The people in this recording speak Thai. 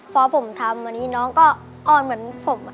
พอผมทำอันนี้น้องก็อ้อนเหมือนผม